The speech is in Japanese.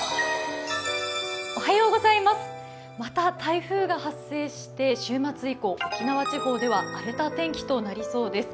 また台風が発生して週末以降、沖縄地方では荒れた天気となりそうです。